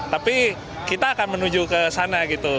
tapi kita akan menuju ke sana gitu